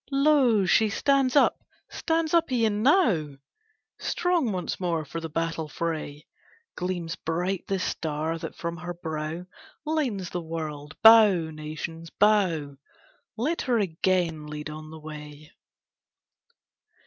Lo, she stands up, stands up e'en now, Strong once more for the battle fray, Gleams bright the star, that from her brow Lightens the world. Bow, nations, bow, Let her again lead on the way!